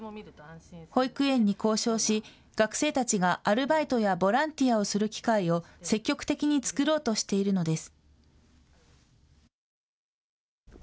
保育園に交渉し、学生たちがアルバイトやボランティアをする機会を積極的に作ろうとしているのです。